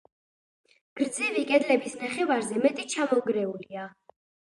გრძივი კედლების ნახევარზე მეტი ჩამონგრეულია.